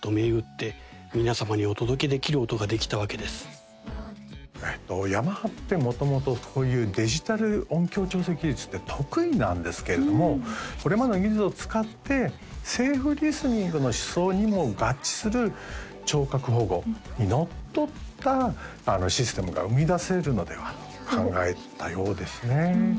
これはまさにヤマハって元々こういうデジタル音響調整技術って得意なんですけれどもこれまでの技術を使ってセーフリスニングの思想にも合致する聴覚保護にのっとったシステムが生み出せるのではと考えたようですね